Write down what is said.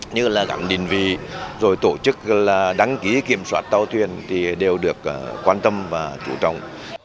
như là gặng định vị rồi tổ chức là đăng ký kiểm soát tàu thuyền thì đều được quan tâm và chủ trọng